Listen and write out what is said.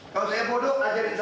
kalau saya bodoh ajarin saya